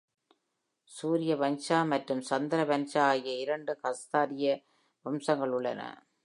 சூரிய வன்ஷா மற்றும் சந்திர வன்ஷா ஆகிய இரண்டு கஸ்தாத்ரிய வம்சங்கள் உள்ளன.